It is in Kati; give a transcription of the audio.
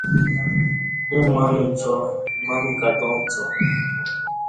اوں مم پڅا مم کتاں پڅا